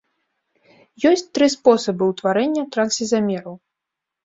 Ёсць тры спосабы ўтварэння трансізамераў.